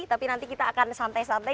tapi nanti kita akan santai santai